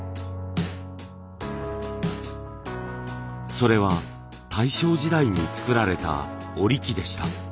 それは大正時代に作られた織り機でした。